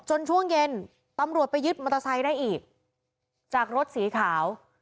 ช่วงเย็นตำรวจไปยึดมอเตอร์ไซค์ได้อีกจากรถสีขาว